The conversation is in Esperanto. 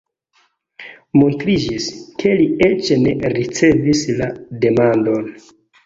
Montriĝis, ke li eĉ ne ricevis la demandon.